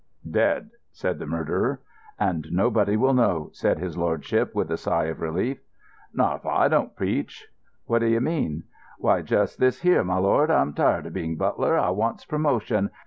"Dead," said the murderer. "And nobody will know," said his lordship, with a sigh of relief. "Not if I don't peach." "What d'ye mean?" "Why, just this here, my lord. I'm tired of being butler. I wants promotion.